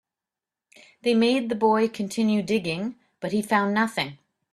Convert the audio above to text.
They made the boy continue digging, but he found nothing.